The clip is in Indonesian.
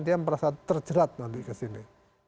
dia merasa terjerat nanti ke sini